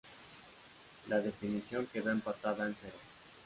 La definición quedó empatada en cero.